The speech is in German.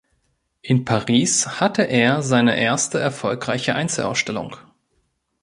In Paris hatte er seine erste erfolgreiche Einzelausstellung.